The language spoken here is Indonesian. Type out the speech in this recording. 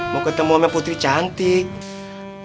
mau ketemu sama putri cantik